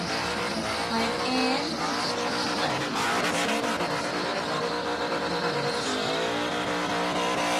Mae'r ên mewn tetrapodau wedi'i symleiddio'n sylweddol o'i gymharu â physgod.